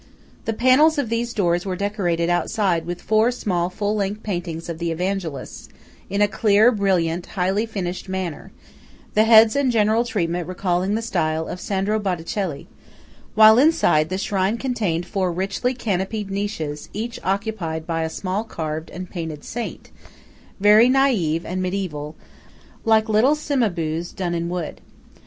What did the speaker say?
The panels of these doors were decorated outside with four small full length paintings of the Evangelists, in a clear, brilliant, highly finished manner, the heads and general treatment recalling the style of Sandro Botticelli; while inside, the shrine contained four richly canopied niches each occupied by a small carved and painted saint, very naive and mediæval, like little Cimabues done in wood.